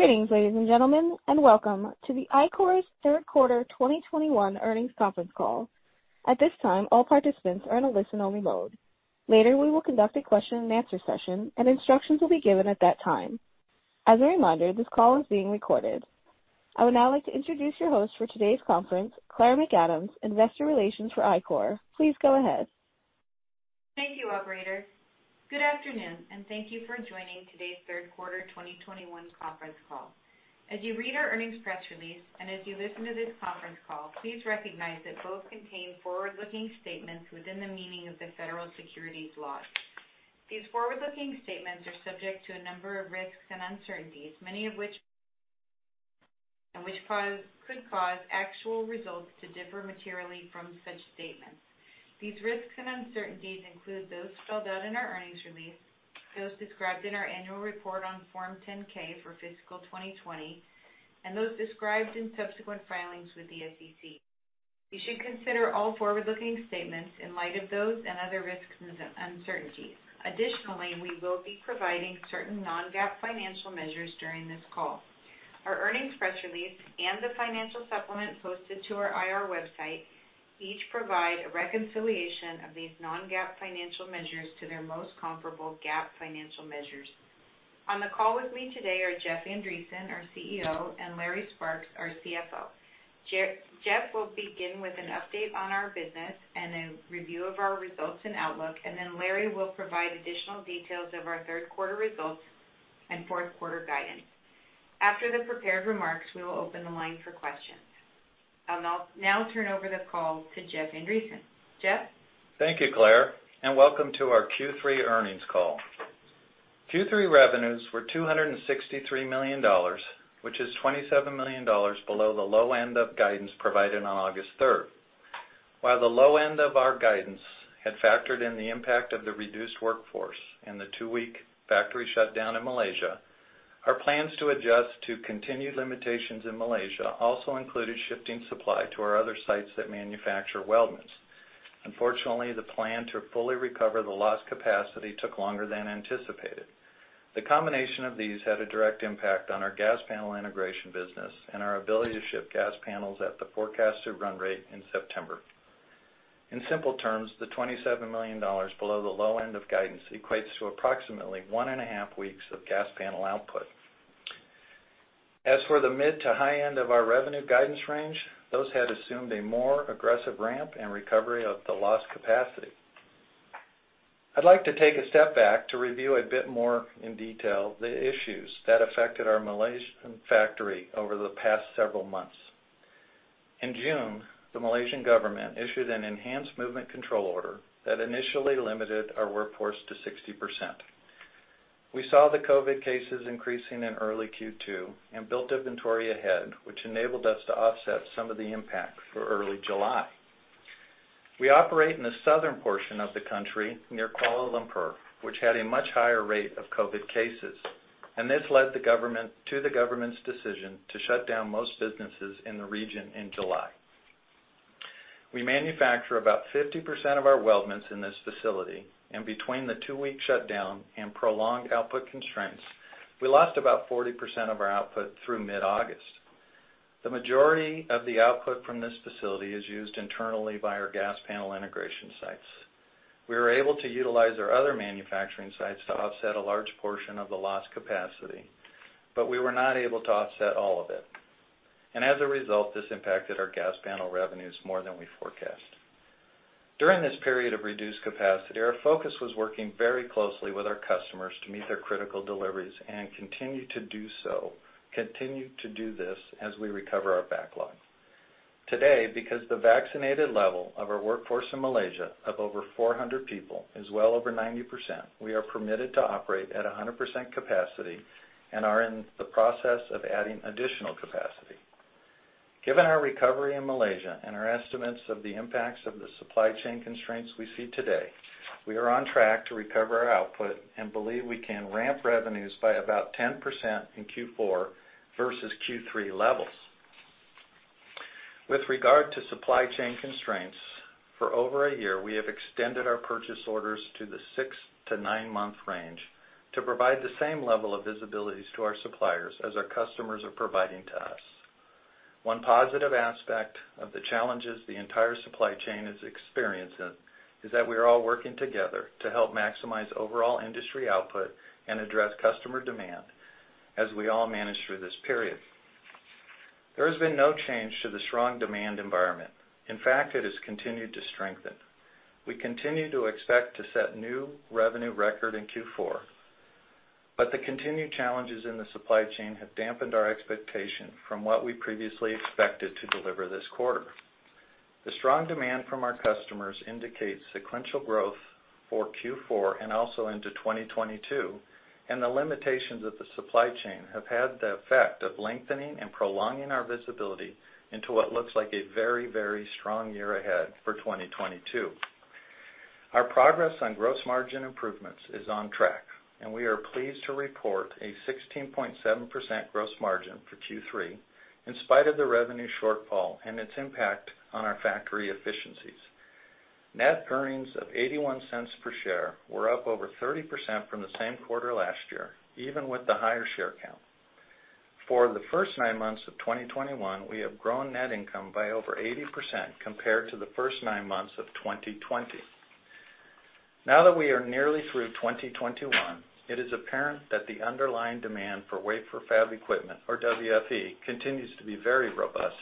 Greetings, ladies and gentlemen, and welcome to Ichor's third quarter 2021 earnings conference call. At this time, all participants are in a listen-only mode. Later, we will conduct a question-and-answer session and instructions will be given at that time. As a reminder, this call is being recorded. I would now like to introduce your host for today's conference, Claire McAdams, Investor Relations for Ichor. Please go ahead. Thank you, operator. Good afternoon, and thank you for joining today's third quarter 2021 conference call. As you read our earnings press release and as you listen to this conference call, please recognize that both contain forward-looking statements within the meaning of the federal securities laws. These forward-looking statements are subject to a number of risks and uncertainties, many of which could cause actual results to differ materially from such statements. These risks and uncertainties include those spelled out in our earnings release, those described in our annual report on Form 10-K for fiscal 2020, and those described in subsequent filings with the SEC. You should consider all forward-looking statements in light of those and other risks and uncertainties. Additionally, we will be providing certain non-GAAP financial measures during this call. Our earnings press release and the financial supplement posted to our IR website each provide a reconciliation of these non-GAAP financial measures to their most comparable GAAP financial measures. On the call with me today are Jeff Andreson, our CEO, and Larry Sparks, our CFO. Jeff will begin with an update on our business and a review of our results and outlook, and then Larry will provide additional details of our third quarter results and fourth quarter guidance. After the prepared remarks, we will open the line for questions. I'll now turn over the call to Jeff Andreson. Jeff? Thank you, Claire, and welcome to our Q3 earnings call. Q3 revenues were $263 million, which is $27 million below the low end of guidance provided on August 3rd. While the low end of our guidance had factored in the impact of the reduced workforce and the two-week factory shutdown in Malaysia, our plans to adjust to continued limitations in Malaysia also included shifting supply to our other sites that manufacture weldments. Unfortunately, the plan to fully recover the lost capacity took longer than anticipated. The combination of these had a direct impact on our gas panel integration business and our ability to ship gas panels at the forecasted run rate in September. In simple terms, the $27 million below the low end of guidance equates to approximately 1.5 weeks of gas panel output. As for the mid to high end of our revenue guidance range, those had assumed a more aggressive ramp and recovery of the lost capacity. I'd like to take a step back to review a bit more in detail the issues that affected our Malaysian factory over the past several months. In June, the Malaysian government issued an Enhanced Movement Control Order that initially limited our workforce to 60%. We saw the COVID cases increasing in early Q2 and built inventory ahead, which enabled us to offset some of the impact for early July. We operate in the southern portion of the country, near Kuala Lumpur, which had a much higher rate of COVID cases, and this led to the government's decision to shut down most businesses in the region in July. We manufacture about 50% of our weldments in this facility, and between the two-week shutdown and prolonged output constraints, we lost about 40% of our output through mid-August. The majority of the output from this facility is used internally by our gas panel integration sites. We were able to utilize our other manufacturing sites to offset a large portion of the lost capacity, but we were not able to offset all of it. As a result, this impacted our gas panel revenues more than we forecast. During this period of reduced capacity, our focus was working very closely with our customers to meet their critical deliveries and continue to do this as we recover our backlog. Today, because the vaccinated level of our workforce in Malaysia of over 400 people is well over 90%, we are permitted to operate at 100% capacity and are in the process of adding additional capacity. Given our recovery in Malaysia and our estimates of the impacts of the supply chain constraints we see today, we are on track to recover our output and believe we can ramp revenues by about 10% in Q4 versus Q3 levels. With regard to supply chain constraints, for over a year, we have extended our purchase orders to the six to nine-month range to provide the same level of visibilities to our suppliers as our customers are providing to us. One positive aspect of the challenges the entire supply chain is experiencing is that we are all working together to help maximize overall industry output and address customer demand as we all manage through this period. There has been no change to the strong demand environment. In fact, it has continued to strengthen. We continue to expect to set new revenue record in Q4. The continued challenges in the supply chain have dampened our expectations from what we previously expected to deliver this quarter. The strong demand from our customers indicates sequential growth for Q4 and also into 2022, and the limitations of the supply chain have had the effect of lengthening and prolonging our visibility into what looks like a very, very strong year ahead for 2022. Our progress on gross margin improvements is on track, and we are pleased to report a 16.7% gross margin for Q3 in spite of the revenue shortfall and its impact on our factory efficiencies. Net earnings of $0.81 per share were up over 30% from the same quarter last year, even with the higher share count. For the first nine months of 2021, we have grown net income by over 80% compared to the first nine months of 2020. Now that we are nearly through 2021, it is apparent that the underlying demand for wafer fab equipment, or WFE, continues to be very robust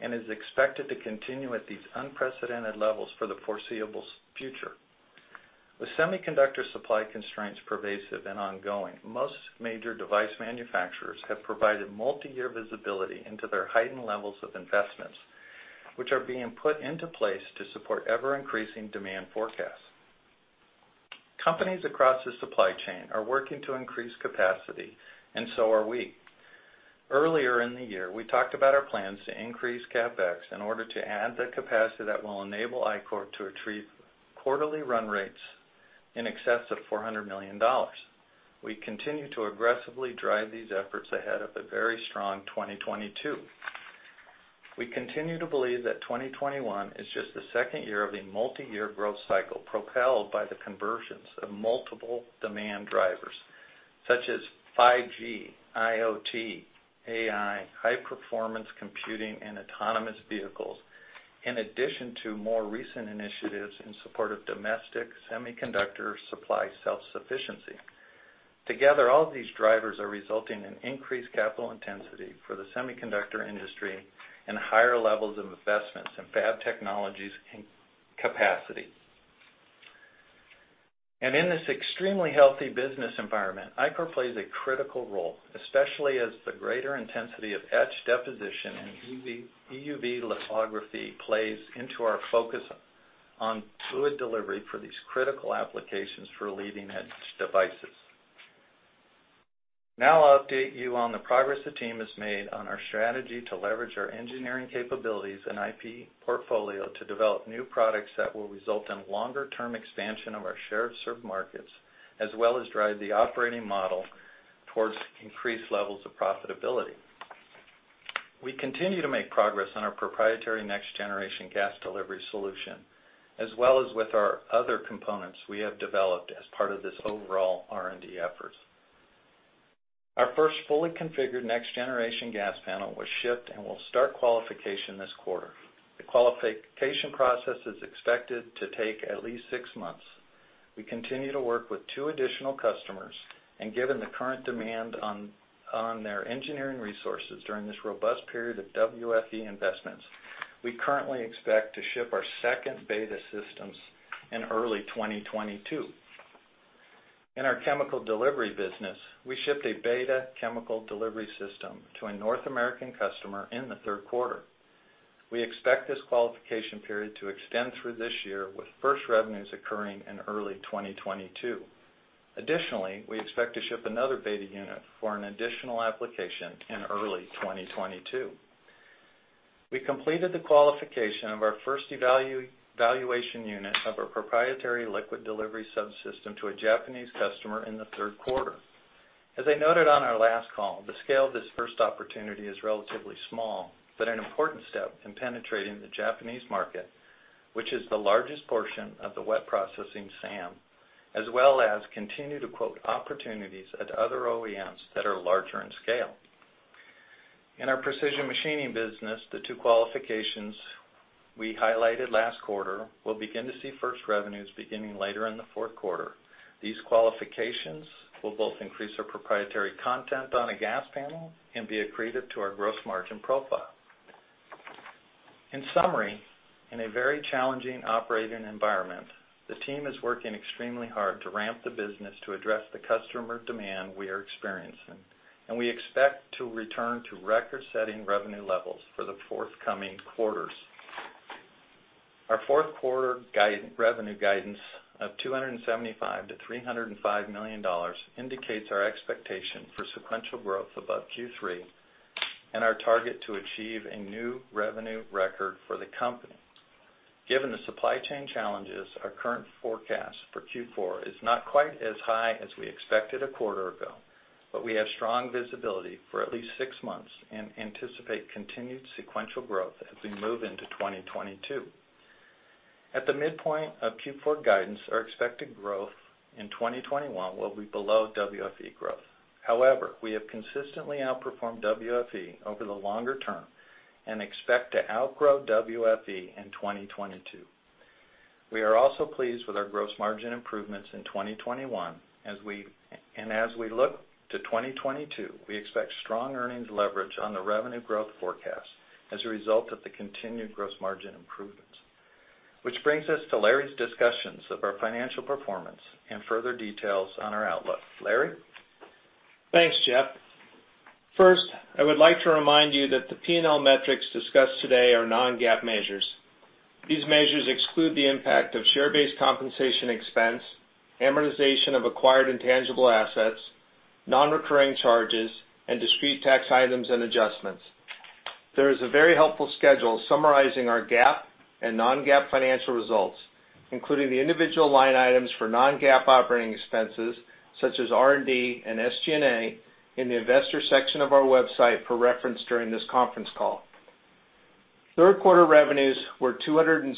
and is expected to continue at these unprecedented levels for the foreseeable future. With semiconductor supply constraints pervasive and ongoing, most major device manufacturers have provided multi-year visibility into their heightened levels of investments, which are being put into place to support ever-increasing demand forecasts. Companies across the supply chain are working to increase capacity, and so are we. Earlier in the year, we talked about our plans to increase CapEx in order to add the capacity that will enable Ichor to retrieve quarterly run rates in excess of $400 million. We continue to aggressively drive these efforts ahead of a very strong 2022. We continue to believe that 2021 is just the second year of a multi-year growth cycle propelled by the conversions of multiple demand drivers such as 5G, IoT, AI, high performance computing, and autonomous vehicles, in addition to more recent initiatives in support of domestic semiconductor supply self-sufficiency. Together, all of these drivers are resulting in increased capital intensity for the semiconductor industry and higher levels of investments in fab technologies and capacity. In this extremely healthy business environment, Ichor plays a critical role, especially as the greater intensity of etch deposition and EUV lithography plays into our focus on fluid delivery for these critical applications for leading-edge devices. Now, I'll update you on the progress the team has made on our strategy to leverage our engineering capabilities and IP portfolio to develop new products that will result in longer-term expansion of our shared served markets, as well as drive the operating model towards increased levels of profitability. We continue to make progress on our proprietary next-generation gas delivery solution, as well as with our other components we have developed as part of this overall R&D efforts. Our first fully configured next-generation gas panel was shipped and will start qualification this quarter. The qualification process is expected to take at least six months. We continue to work with two additional customers, and given the current demand on their engineering resources during this robust period of WFE investments, we currently expect to ship our second beta systems in early 2022. In our chemical delivery business, we shipped a beta chemical delivery system to a North American customer in the third quarter. We expect this qualification period to extend through this year with first revenues occurring in early 2022. Additionally, we expect to ship another beta unit for an additional application in early 2022. We completed the qualification of our first evaluation unit of our proprietary liquid delivery subsystem to a Japanese customer in the third quarter. As I noted on our last call, the scale of this first opportunity is relatively small, but an important step in penetrating the Japanese market, which is the largest portion of the wet processing SAM, as well as continue to quote opportunities at other OEMs that are larger in scale. In our precision machining business, the two qualifications we highlighted last quarter will begin to see first revenues beginning later in the fourth quarter. These qualifications will both increase our proprietary content on a gas panel and be accretive to our gross margin profile. In summary, in a very challenging operating environment, the team is working extremely hard to ramp the business to address the customer demand we are experiencing, and we expect to return to record-setting revenue levels for the forthcoming quarters. Our fourth quarter revenue guidance of $275 million-$305 million indicates our expectation for sequential growth above Q3 and our target to achieve a new revenue record for the company. Given the supply chain challenges, our current forecast for Q4 is not quite as high as we expected a quarter ago, but we have strong visibility for at least six months and anticipate continued sequential growth as we move into 2022. At the midpoint of Q4 guidance, our expected growth in 2021 will be below WFE growth. However, we have consistently outperformed WFE over the longer term and expect to outgrow WFE in 2022. We are also pleased with our gross margin improvements in 2021 as we look to 2022. We expect strong earnings leverage on the revenue growth forecast as a result of the continued gross margin improvements. Which brings us to Larry's discussions of our financial performance and further details on our outlook. Larry? Thanks, Jeff. First, I would like to remind you that the P&L metrics discussed today are non-GAAP measures. These measures exclude the impact of share-based compensation expense, amortization of acquired intangible assets, non-recurring charges, and discrete tax items and adjustments. There is a very helpful schedule summarizing our GAAP and non-GAAP financial results, including the individual line items for non-GAAP operating expenses, such as R&D and SG&A in the investor section of our website for reference during this conference call. Third quarter revenues were $263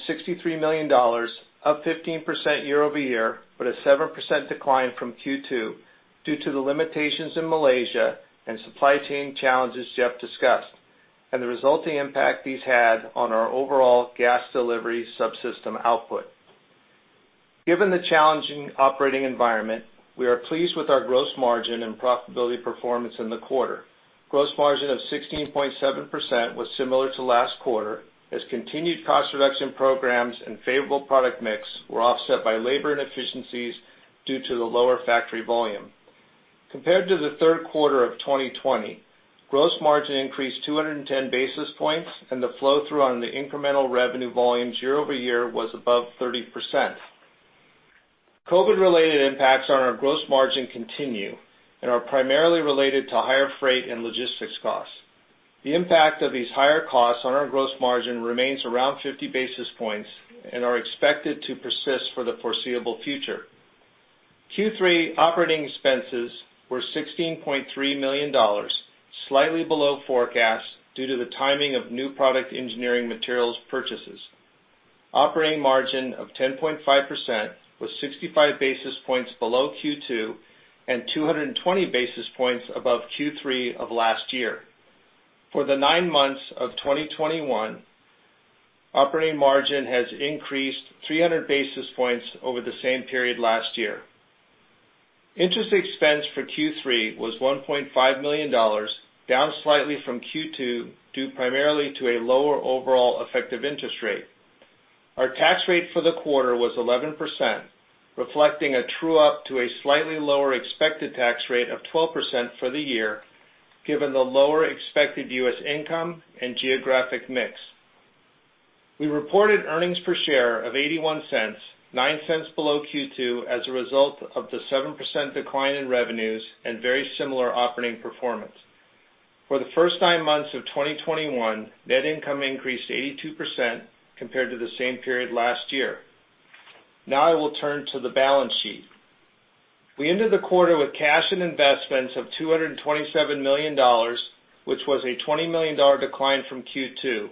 million, up 15% year-over-year, but a 7% decline from Q2 due to the limitations in Malaysia and supply chain challenges Jeff discussed, and the resulting impact these had on our overall gas delivery subsystem output. Given the challenging operating environment, we are pleased with our gross margin and profitability performance in the quarter. Gross margin of 16.7% was similar to last quarter as continued cost reduction programs and favorable product mix were offset by labor inefficiencies due to the lower factory volume. Compared to the third quarter of 2020, gross margin increased 210 basis points, and the flow-through on the incremental revenue volumes year-over-year was above 30%. COVID-related impacts on our gross margin continue and are primarily related to higher freight and logistics costs. The impact of these higher costs on our gross margin remains around 50 basis points and are expected to persist for the foreseeable future. Q3 operating expenses were $16.3 million, slightly below forecast due to the timing of new product engineering materials purchases. Operating margin of 10.5% was 65 basis points below Q2 and 220 basis points above Q3 of last year. For the nine months of 2021, operating margin has increased 300 basis points over the same period last year. Interest expense for Q3 was $1.5 million, down slightly from Q2, due primarily to a lower overall effective interest rate. Our tax rate for the quarter was 11%, reflecting a true up to a slightly lower expected tax rate of 12% for the year, given the lower expected U.S. income and geographic mix. We reported earnings per share of $0.81, $0.09 below Q2 as a result of the 7% decline in revenues and very similar operating performance. For the first nine months of 2021, net income increased 82% compared to the same period last year. Now I will turn to the balance sheet. We ended the quarter with cash and investments of $227 million, which was a $20 million decline from Q2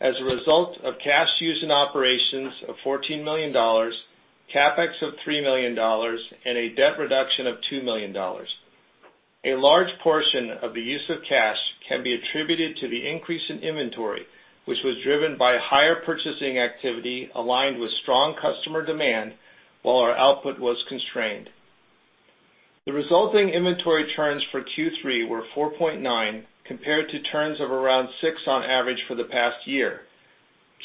as a result of cash used in operations of $14 million, CapEx of $3 million, and a debt reduction of $2 million. A large portion of the use of cash can be attributed to the increase in inventory, which was driven by higher purchasing activity aligned with strong customer demand while our output was constrained. The resulting inventory turns for Q3 were 4.9 compared to turns of around 6 on average for the past year.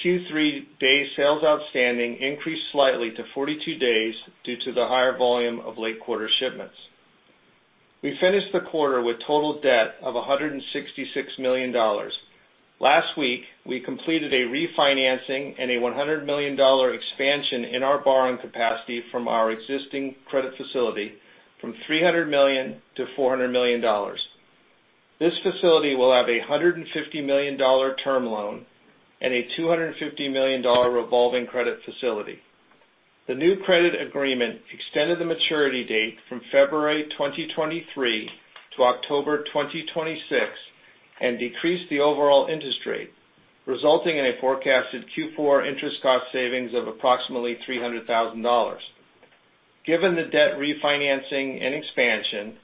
Q3 day sales outstanding increased slightly to 42 days due to the higher volume of late quarter shipments. We finished the quarter with total debt of $166 million. Last week, we completed a refinancing and a $100 million expansion in our borrowing capacity from our existing credit facility from $300 million to $400 million. This facility will have a $150 million term loan and a $250 million revolving credit facility. The new credit agreement extended the maturity date from February 2023 to October 2026 and decreased the overall interest rate, resulting in a forecasted Q4 interest cost savings of approximately $300,000. Given the debt refinancing and expansion,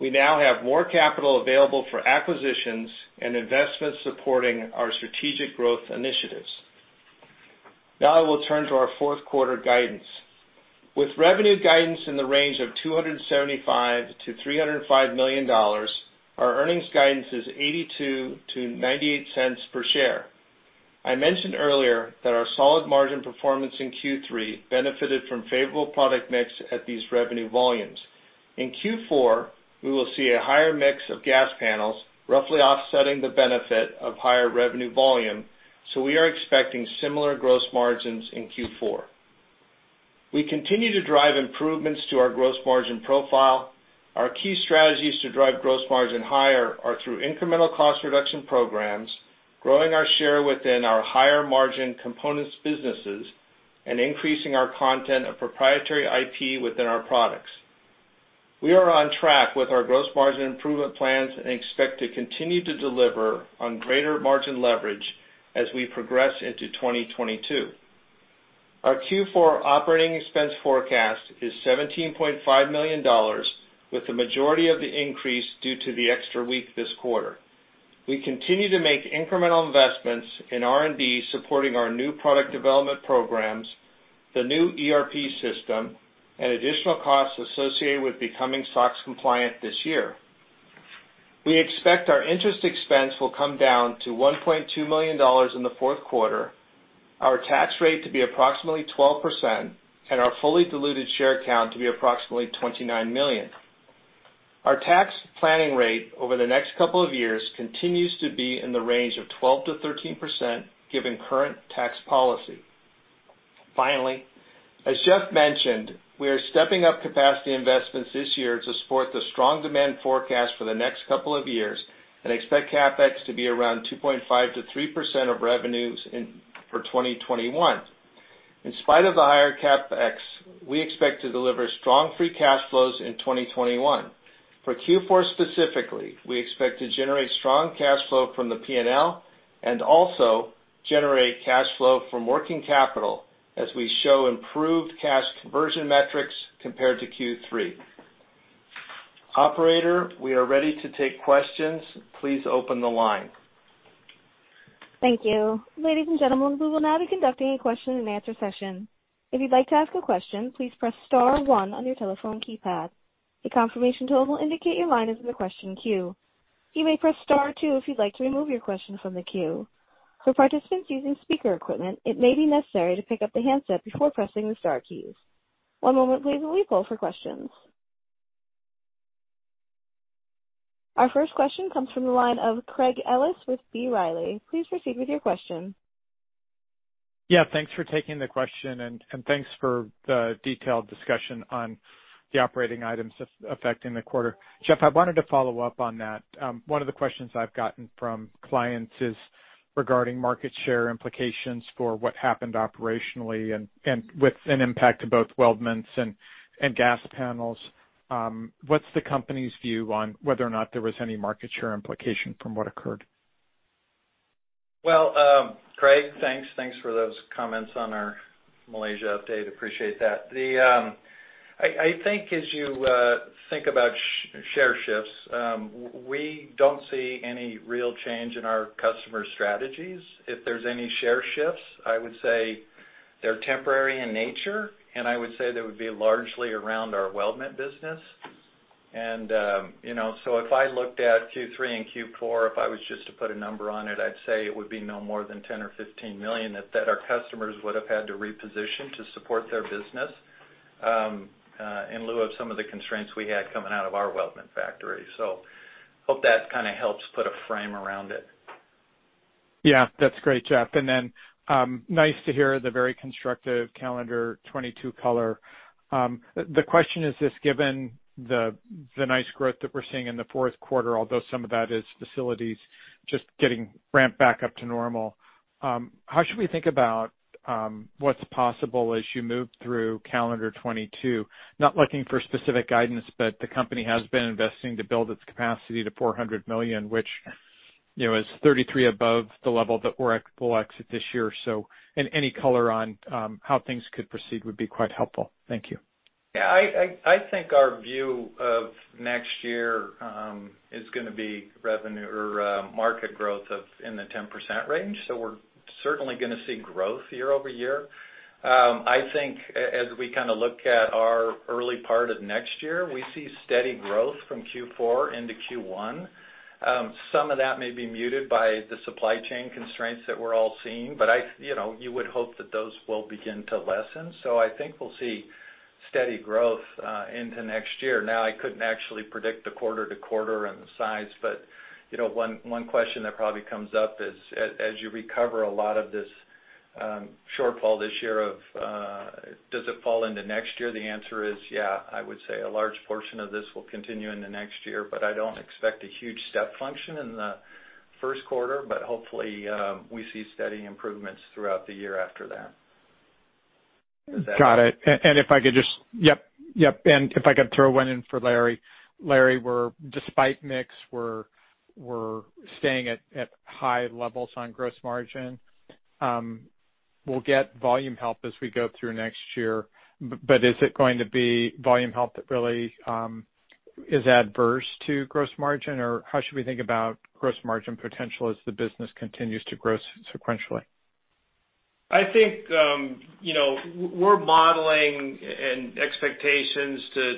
we now have more capital available for acquisitions and investments supporting our strategic growth initiatives. Now, I will turn to our fourth quarter guidance. With revenue guidance in the range of $275 million-$305 million, our earnings guidance is $0.82 to $0.98 per share. I mentioned earlier that our solid margin performance in Q3 benefited from favorable product mix at these revenue volumes. In Q4, we will see a higher mix of gas panels roughly offsetting the benefit of higher revenue volume, so we are expecting similar gross margins in Q4. We continue to drive improvements to our gross margin profile. Our key strategies to drive gross margin higher are through incremental cost reduction programs, growing our share within our higher margin components businesses, and increasing our content of proprietary IP within our products. We are on track with our gross margin improvement plans and expect to continue to deliver on greater margin leverage as we progress into 2022. Our Q4 operating expense forecast is $17.5 million, with the majority of the increase due to the extra week this quarter. We continue to make incremental investments in R&D supporting our new product development programs, the new ERP system, and additional costs associated with becoming SOX compliant this year. We expect our interest expense will come down to $1.2 million in the fourth quarter, our tax rate to be approximately 12%, and our fully diluted share count to be approximately 29 million. Our tax planning rate over the next couple of years continues to be in the range of 12%-13%, given current tax policy. Finally, as Jeff mentioned, we are stepping up capacity investments this year to support the strong demand forecast for the next couple of years and expect CapEx to be around 2.5%-3% of revenues for 2021. In spite of the higher CapEx, we expect to deliver strong free cash flows in 2021. For Q4 specifically, we expect to generate strong cash flow from the P&L and also generate cash flow from working capital as we show improved cash conversion metrics compared to Q3. Operator, we are ready to take questions. Please open the line. Thank you. Ladies and gentlemen, we will now be conducting a question-and-answer session. If you'd like to ask a question, please press star one on your telephone keypad. A confirmation tone will indicate your line is in the question queue. You may press star two if you'd like to remove your question from the queue. For participants using speaker equipment, it may be necessary to pick up the handset before pressing the star keys. One moment please while we poll for questions. Our first question comes from the line of Craig Ellis with B. Riley. Please proceed with your question. Yeah, thanks for taking the question, and thanks for the detailed discussion on the operating items affecting the quarter. Jeff, I wanted to follow up on that. One of the questions I've gotten from clients is regarding market share implications for what happened operationally and with an impact to both weldments and gas panels. What's the company's view on whether or not there was any market share implication from what occurred? Craig, thanks. Thanks for those comments on our Malaysia update. Appreciate that. I think as you think about share shifts, we don't see any real change in our customer strategies. If there's any share shifts, I would say they're temporary in nature, and I would say they would be largely around our weldment business. You know, if I looked at Q3 and Q4, if I was just to put a number on it, I'd say it would be no more than $10 million or $15 million that our customers would have had to reposition to support their business, in lieu of some of the constraints we had coming out of our weldment factory. I hope that kind of helps put a frame around it. Yeah. That's great, Jeff. Then, nice to hear the very constructive calendar 2022 color. The question is just given the nice growth that we're seeing in the fourth quarter, although some of that is facilities just getting ramped back up to normal, how should we think about what's possible as you move through calendar 2022? Not looking for specific guidance, but the company has been investing to build its capacity to $400 million, which, you know, is 33% above the level that we're at full exit this year. Any color on how things could proceed would be quite helpful. Thank you. Yeah. I think our view of next year is gonna be revenue or market growth of in the 10% range. We're certainly gonna see growth year-over-year. I think as we kind of look at our early part of next year, we see steady growth from Q4 into Q1. Some of that may be muted by the supply chain constraints that we're all seeing, but you know, you would hope that those will begin to lessen. I think we'll see steady growth into next year. Now, I couldn't actually predict the quarter-to-quarter and the size, but you know, one question that probably comes up is as you recover a lot of this shortfall this year of, does it fall into next year? The answer is yeah, I would say a large portion of this will continue into next year, but I don't expect a huge step function in the first quarter. Hopefully, we see steady improvements throughout the year after that. Got it. If I could throw one in for Larry. Larry, despite mix, we're staying at high levels on gross margin. We'll get volume help as we go through next year, but is it going to be volume help that really is adverse to gross margin, or how should we think about gross margin potential as the business continues to grow sequentially? I think, you know, we're modeling and expectations to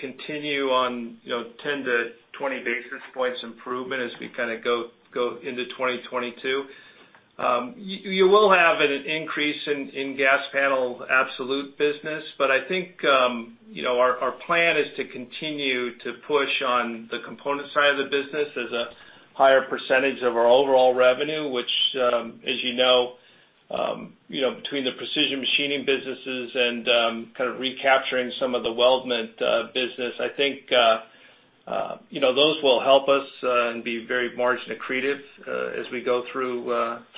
continue on, you know, 10-20 basis points improvement as we kind of go into 2022. You will have an increase in gas panel absolute business, but I think, you know, our plan is to continue to push on the component side of the business as a higher percentage of our overall revenue, which, as you know, you know, between the precision machining businesses and, kind of recapturing some of the weldments business. I think, you know, those will help us and be very margin accretive as we go through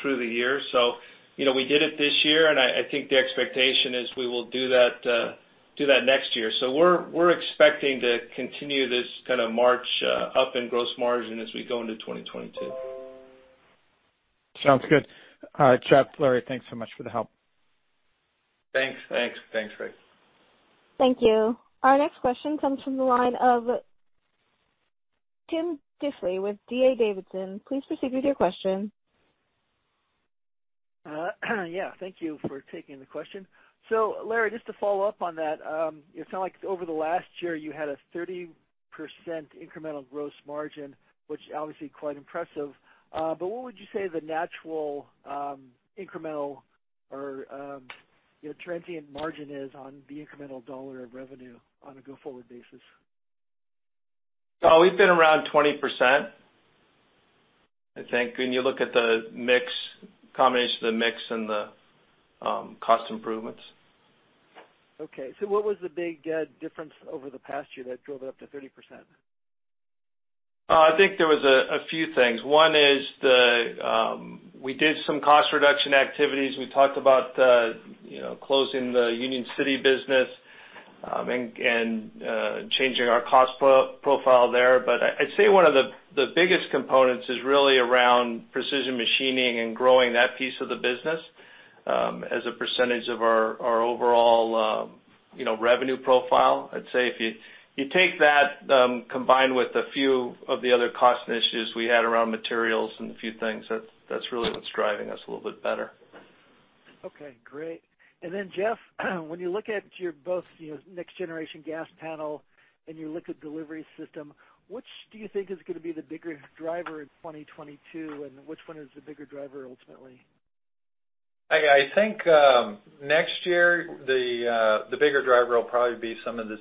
the year. You know, we did it this year, and I think the expectation is we will do that next year. We're expecting to continue this kind of march up in gross margin as we go into 2022. Sounds good. All right, Jeff, Larry, thanks so much for the help. Thanks, Craig. Thank you. Our next question comes from the line of Tom Diffely with D.A. Davidson. Please proceed with your question. Yeah, thank you for taking the question. Larry, just to follow up on that, it sound like over the last year, you had a 30% incremental gross margin, which obviously quite impressive. But what would you say the natural, incremental or, you know, transient margin is on the incremental dollar of revenue on a go-forward basis? We've been around 20%, I think, when you look at the mix, combination of the mix and the cost improvements. Okay. What was the big difference over the past year that drove it up to 30%? I think there was a few things. One is we did some cost reduction activities. We talked about you know closing the Union City business and changing our cost profile there. I'd say one of the biggest components is really around precision machining and growing that piece of the business as a percentage of our overall you know revenue profile. I'd say if you take that combined with a few of the other cost initiatives we had around materials and a few things that's really what's driving us a little bit better. Okay. Great. Jeff, when you look at your both, you know, next-generation gas panel and your liquid delivery subsystem, which do you think is gonna be the bigger driver in 2022, and which one is the bigger driver ultimately? I think next year the bigger driver will probably be some of the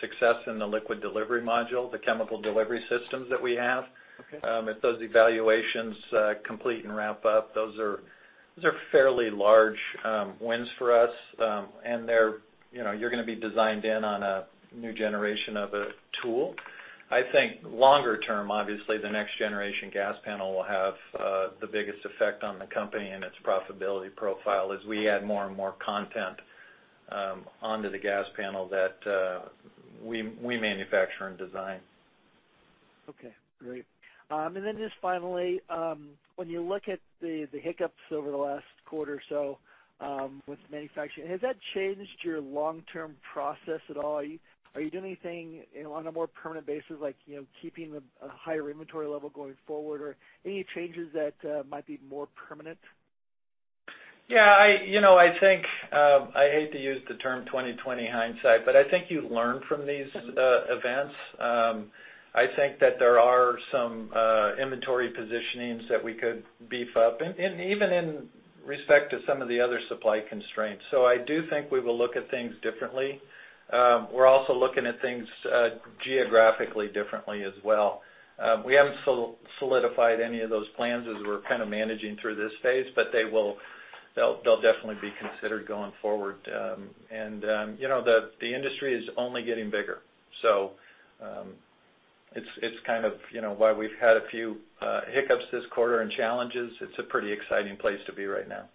success in the liquid delivery module, the chemical delivery systems that we have. Okay. If those evaluations complete and ramp up, those are fairly large wins for us. They're, you know, gonna be designed in on a new generation of a tool. I think longer term, obviously the next generation gas panel will have the biggest effect on the company and its profitability profile as we add more and more content onto the gas panel that we manufacture and design. Okay. Great. Just finally, when you look at the hiccups over the last quarter or so with manufacturing, has that changed your long-term process at all? Are you doing anything on a more permanent basis like, you know, keeping a higher inventory level going forward or any changes that might be more permanent? Yeah, you know, I think I hate to use the term 2020 hindsight, but I think you learn from these events. I think that there are some inventory positionings that we could beef up, and even in respect to some of the other supply constraints. I do think we will look at things differently. We're also looking at things geographically differently as well. We haven't solidified any of those plans as we're kind of managing through this phase, but they'll definitely be considered going forward. You know, the industry is only getting bigger. It's kind of you know why we've had a few hiccups this quarter and challenges. It's a pretty exciting place to be right now.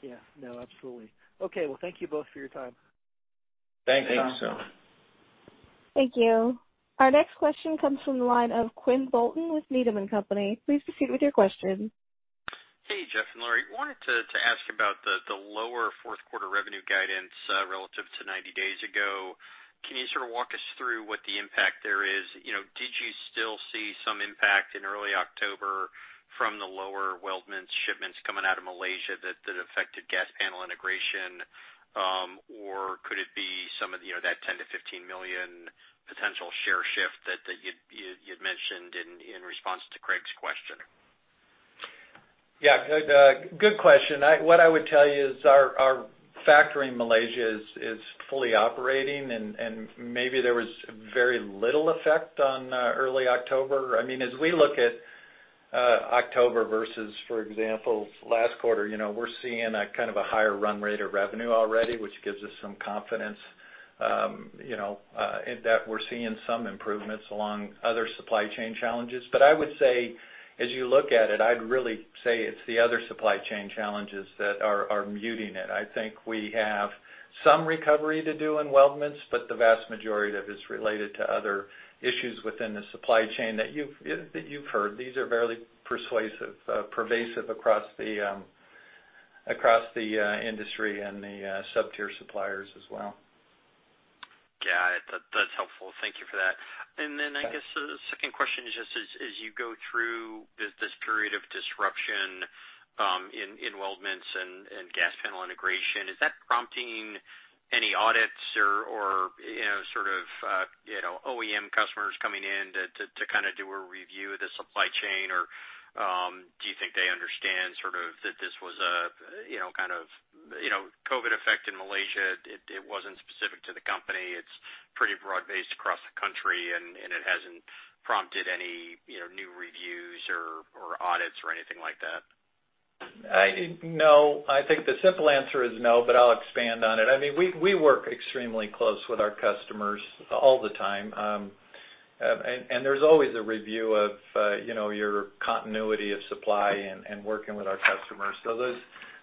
Yeah. No, absolutely. Okay. Well, thank you both for your time. Thanks. Thanks so much. Thank you. Our next question comes from the line of Quinn Bolton with Needham & Company. Please proceed with your question. Hey, Jeff and Larry. Wanted to ask about the lower fourth quarter revenue guidance relative to 90 days ago. Can you sort of walk us through what the impact there is? You know, did you still see some impact in early October from the lower weldments shipments coming out of Malaysia that affected gas panel integration? Or could it be some of the, you know, that $10 million-$15 million potential share shift that you'd mentioned in response to Craig's question? Yeah. Good question. What I would tell you is our factory in Malaysia is fully operating, and maybe there was very little effect on early October. I mean, as we look at October versus, for example, last quarter, you know, we're seeing a kind of a higher run rate of revenue already, which gives us some confidence, you know, in that we're seeing some improvements along other supply chain challenges. But I would say, as you look at it, I'd really say it's the other supply chain challenges that are muting it. I think we have some recovery to do in weldments, but the vast majority of it's related to other issues within the supply chain that you've heard. These are fairly pervasive across the industry and the sub-tier suppliers as well. Yeah. That's helpful. Thank you for that. Okay. I guess the second question is just as you go through this period of disruption in weldments and gas panel integration, is that prompting any audits or you know sort of OEM customers coming in to kind of do a review of the supply chain? Or do you think they understand sort of that this was a, you know, kind of COVID effect in Malaysia? It wasn't specific to the company. It's pretty broad based across the country, and it hasn't prompted any, you know, new reviews or audits or anything like that. No. I think the simple answer is no, but I'll expand on it. I mean, we work extremely close with our customers all the time. There's always a review of, you know, your continuity of supply and working with our customers.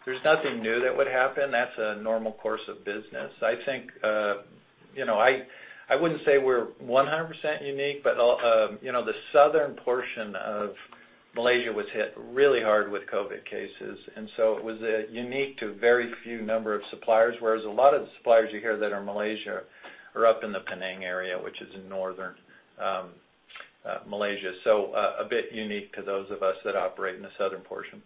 There's nothing new that would happen. That's a normal course of business. I think, you know, I wouldn't say we're 100% unique, but, you know, the southern portion of Malaysia was hit really hard with COVID cases, and so it was unique to very few number of suppliers. Whereas a lot of the suppliers you hear that are in Malaysia are up in the Penang area, which is in northern Malaysia. A bit unique to those of us that operate in the southern portion.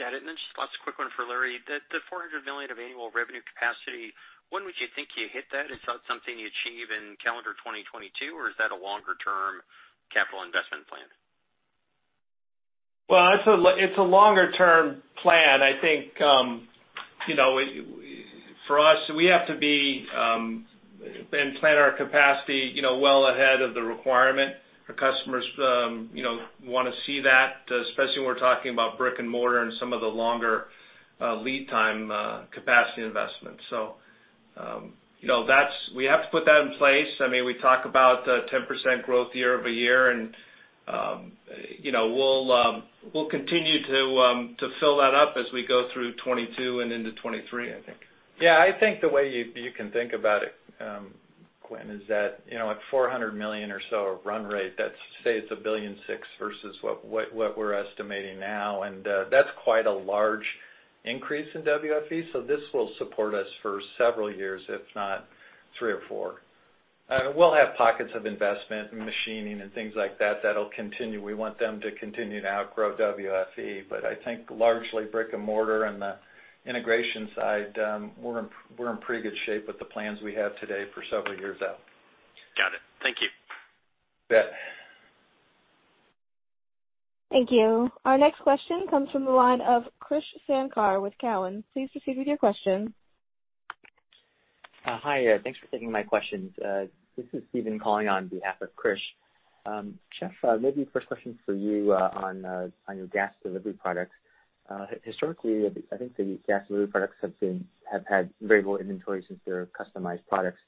Got it. Just last quick one for Larry. The $400 million of annual revenue capacity, when would you think you hit that? Is that something you achieve in calendar 2022, or is that a longer term capital investment plan? Well, it's a longer term plan. I think, you know, for us, we have to be and plan our capacity, you know, well ahead of the requirement. Our customers, you know, wanna see that, especially when we're talking about brick and mortar and some of the longer lead time capacity investments. You know, we have to put that in place. I mean, we talk about 10% growth year-over-year and, you know, we'll continue to fill that up as we go through 2022 and into 2023, I think. Yeah, I think the way you can think about it, Quinn, is that, you know, at $400 million or so of run rate, that's, say, $1.6 billion versus what we're estimating now. That's quite a large increase in WFE. This will support us for several years, if not three or four. We'll have pockets of investment in machining and things like that'll continue. We want them to continue to outgrow WFE. I think largely brick-and-mortar and the integration side, we're in pretty good shape with the plans we have today for several years out. Got it. Thank you. You bet. Thank you. Our next question comes from the line of Krish Sankar with Cowen and Company. Please proceed with your question. Hi. Thanks for taking my questions. This is Steven calling on behalf of Krish. Jeff, maybe first question for you, on your gas delivery products. Historically, I think the gas delivery products have had variable inventory since they're customized products.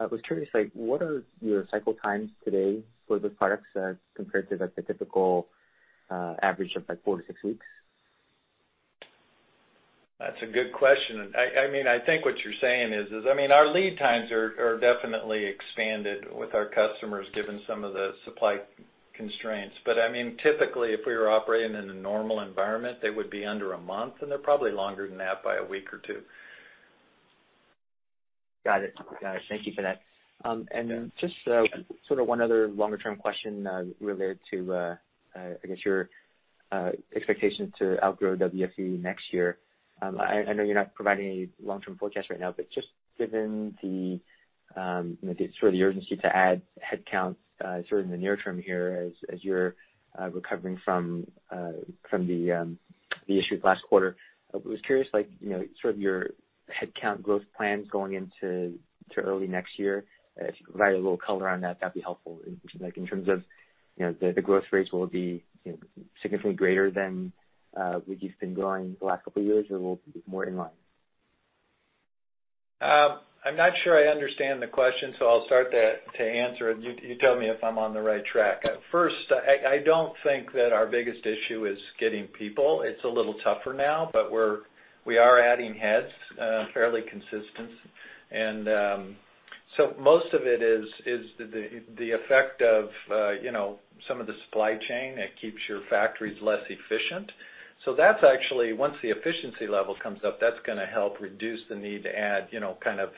I was curious, like, what are your cycle times today for the products, compared to like the typical average of like four to six weeks? That's a good question. I mean, I think what you're saying is, I mean, our lead times are definitely expanded with our customers, given some of the supply constraints. I mean, typically, if we were operating in a normal environment, they would be under a month, and they're probably longer than that by a week or two. Got it. Thank you for that. Just sort of one other longer term question, related to, I guess your expectations to outgrow WFE next year. I know, you're not providing any long term forecast right now, but just given the, you know, the sort of urgency to add headcount, sort of in the near term here as you're recovering from the issues last quarter. I was curious, like, you know, sort of your headcount growth plans going into early next year. If you could provide a little color on that, that'd be helpful. In terms of, you know, the growth rates will be, you know, significantly greater than what you've been growing the last couple of years, or will be more in line? I'm not sure I understand the question, so I'll start to answer it. You tell me if I'm on the right track. At first, I don't think that our biggest issue is getting people. It's a little tougher now, but we are adding heads fairly consistent. Most of it is the effect of you know, some of the supply chain that keeps your factories less efficient. That's actually, once the efficiency level comes up, that's gonna help reduce the need to add, you know, kind of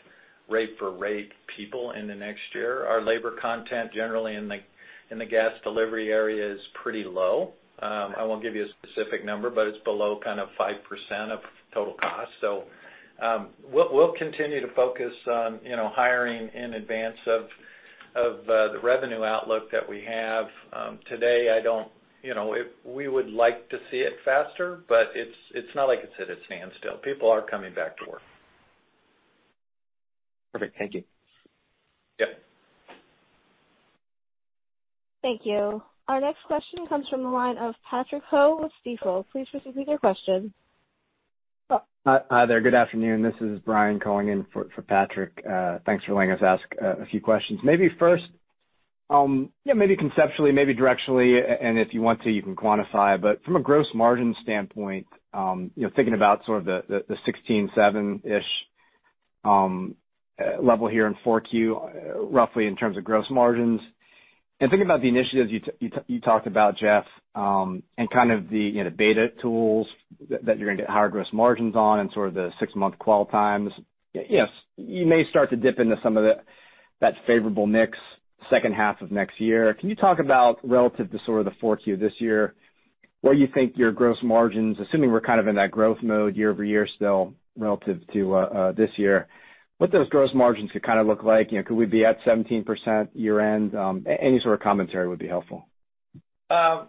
rate for rate people in the next year. Our labor content generally in the gas delivery area is pretty low. I won't give you a specific number, but it's below kind of 5% of total cost. We'll continue to focus on, you know, hiring in advance of the revenue outlook that we have. Today, you know, if we would like to see it faster, but it's not like it's at a standstill. People are coming back to work. Perfect. Thank you. Yep. Thank you. Our next question comes from the line of Patrick Ho with Stifel. Please proceed with your question. Hi there. Good afternoon. This is Brian calling in for Patrick. Thanks for letting us ask a few questions. Maybe first, maybe conceptually, maybe directionally, and if you want to you can quantify. From a gross margin standpoint, you know, thinking about sort of the 16.7-ish level here in Q4, roughly in terms of gross margins. Thinking about the initiatives you talked about, Jeff, and kind of the, you know, beta tools that you're gonna get higher gross margins on and sort of the six-month qual times. Yes, you may start to dip into some of that favorable mix second half of next year. Can you talk about relative to sort of the Q4 this year, where you think your gross margins, assuming we're kind of in that growth mode year-over-year still relative to this year. What those gross margins could kind of look like? You know, could we be at 17% year-end? Any sort of commentary would be helpful. I'll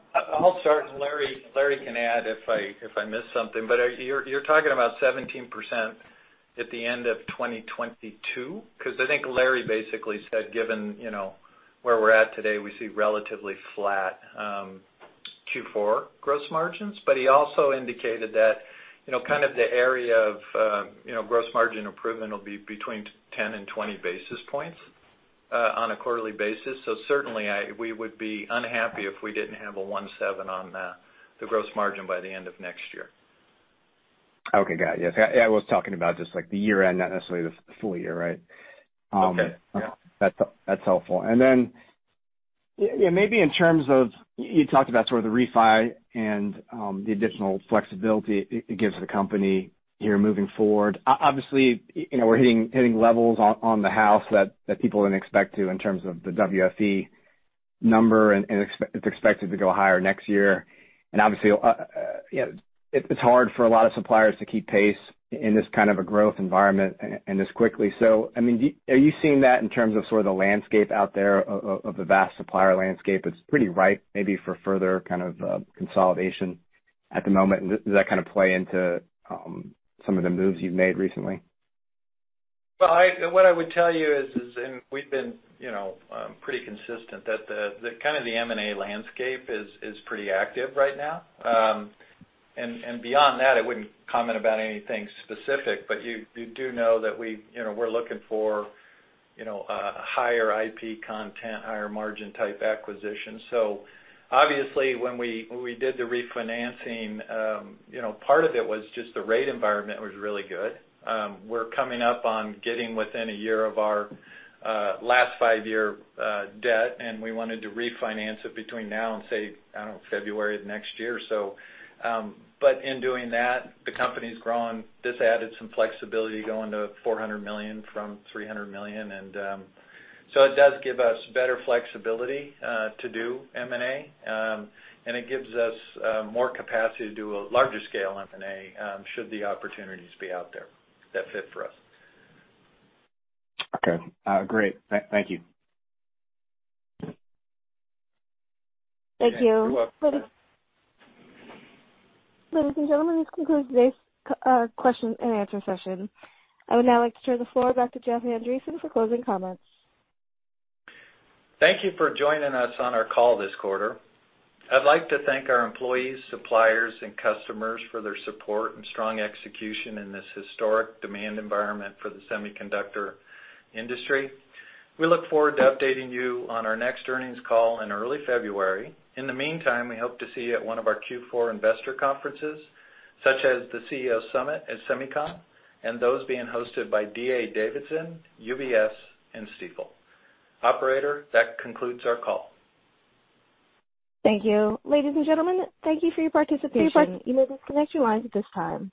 start, and Larry can add if I miss something. You're talking about 17% at the end of 2022? Because I think Larry basically said, given you know, where we're at today, we see relatively flat Q4 gross margins, but he also indicated that, you know, kind of the area of gross margin improvement will be between 10 and 20 basis points on a quarterly basis. Certainly we would be unhappy if we didn't have a 1.7 on the gross margin by the end of next year. Okay. Got it. Yes, I was talking about just like the year end, not necessarily the full year, right? Okay. Yeah. That's helpful. Yeah, maybe in terms of you talked about sort of the refi and the additional flexibility it gives the company here moving forward. Obviously, you know, we're hitting levels on the house that people didn't expect to in terms of the WFE number, and it's expected to go higher next year. Obviously, you know, it's hard for a lot of suppliers to keep pace in this kind of a growth environment and this quickly. I mean, are you seeing that in terms of sort of the landscape out there of the vast supplier landscape that's pretty ripe, maybe for further kind of consolidation at the moment? Does that kind of play into some of the moves you've made recently? Well, what I would tell you is, and we've been, you know, pretty consistent, that the kind of the M&A landscape is pretty active right now. And beyond that, I wouldn't comment about anything specific, but you do know that we, you know, we're looking for, you know, a higher IP content, higher margin type acquisition. Obviously when we did the refinancing, you know, part of it was just the rate environment was really good. We're coming up on getting within a year of our last five-year debt, and we wanted to refinance it between now and say, I don't know, February of next year. But in doing that, the company's grown. This added some flexibility going to $400 million from $300 million. It does give us better flexibility to do M&A. It gives us more capacity to do a larger scale M&A, should the opportunities be out there that fit for us. Okay. Great. Thank you. Thank you. You're welcome. Ladies and gentlemen, this concludes today's question and answer session. I would now like to turn the floor back to Jeff Andreson for closing comments. Thank you for joining us on our call this quarter. I'd like to thank our employees, suppliers, and customers for their support and strong execution in this historic demand environment for the semiconductor industry. We look forward to updating you on our next earnings call in early February. In the meantime, we hope to see you at one of our Q4 investor conferences, such as the CEO Summit at SEMICON and those being hosted by D.A. Davidson, UBS, and Stifel. Operator, that concludes our call. Thank you. Ladies and gentlemen, thank you for your participation. You may disconnect your lines at this time.